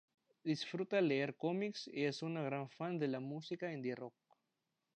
Disfruta leer cómics y es una gran fan de la música indie rock.